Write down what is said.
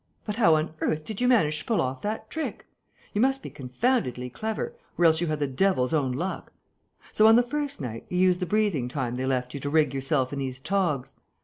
But how on earth did you manage to pull off that trick? You must be confoundedly clever, or else you had the devil's own luck.... So, on the first night, you used the breathing time they left you to rig yourself in these togs!